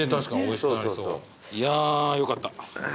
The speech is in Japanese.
いやーよかった。